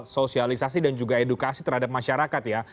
sosialisasi dan juga edukasi terhadap masyarakat ya